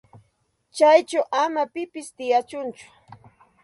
Chayćhu ama pipis tiyachunchu.